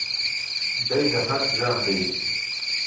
دی د حق غږ دی.